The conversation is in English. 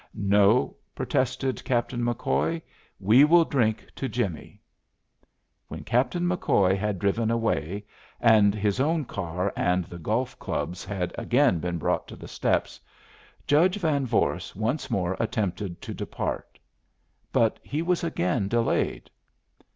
"No!" protested Captain McCoy, "we will drink to Jimmie!" When Captain McCoy had driven away, and his own car and the golf clubs had again been brought to the steps, Judge Van Vorst once more attempted to depart; but he was again delayed.